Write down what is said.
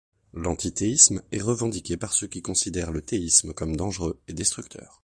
L’antithéisme est revendiqué par ceux qui considèrent le théisme comme dangereux et destructeur.